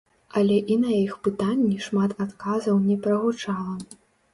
Але і на іх пытанні шмат адказаў не прагучала.